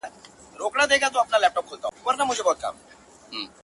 ســـتا د ستــم مـــــلا پـــرې ماتولے شــم